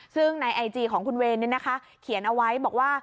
ซึ่งในไอจีของคุณเวย์นี่นะคะเขียนเอาไว้บอกว่า